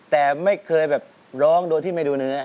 แต่ไม่เคยแบบร้องโดยที่ไม่ดูเนื้อ